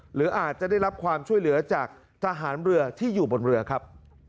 หรืออาจจะได้รับความช่วยเหลือจากทหารเรือที่อยู่บนเรือครับ